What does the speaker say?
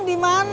ya udah kang